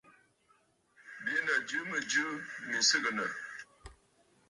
Bì’inǝ̀ jɨ mɨjɨ mì sɨgɨnǝ̀.